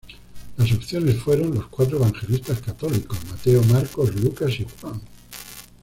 Las opciones fueron los cuatro evangelistas católicos: Mateo, Marcos, Lucas y Juan.